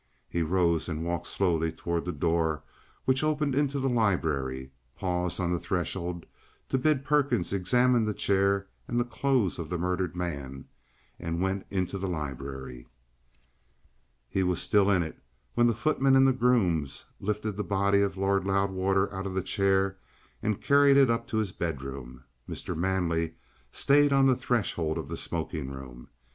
He rose and walked slowly towards the door which opened into the library, paused on the threshold to bid Perkins examine the chair and the clothes of the murdered man, and went into the library. He was still in it when the footman and the grooms lifted the body of Lord Loudwater out of the chair, and carried it up to his bedroom. Mr. Manley stayed on the threshold of the smoking room.